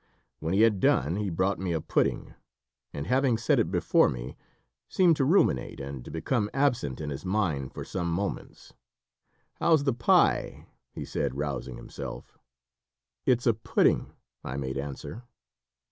When he had done, he brought me a pudding, and having set it before me, seemed to ruminate, and to become absent in his mind for some moments. "How's the pie?" he said, rousing himself. "It's a pudding," I made answer.